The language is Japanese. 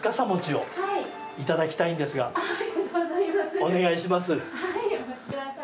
お願いします。